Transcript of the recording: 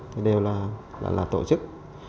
thì đều là tổ chức